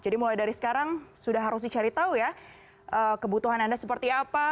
mulai dari sekarang sudah harus dicari tahu ya kebutuhan anda seperti apa